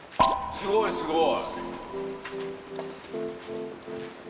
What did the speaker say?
すごいすごい。